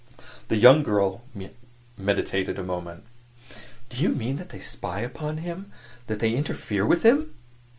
The young girl meditated a moment. "Do you mean that they spy upon him that they interfere with him?"